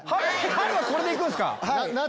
春はこれでいくんすか⁉夏